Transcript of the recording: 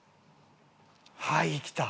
はいきた！